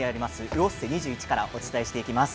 ウオッセ２１からお伝えしていきます。